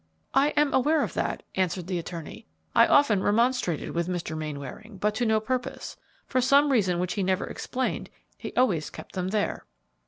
"I am aware of that," answered the attorney. "I often remonstrated with Mr. Mainwaring, but to no purpose; for some reason which he never explained he always kept them there."